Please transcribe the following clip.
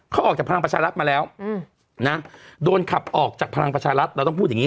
เขาออกจากพลังประชารัฐมาแล้วนะโดนขับออกจากพลังประชารัฐเราต้องพูดอย่างนี้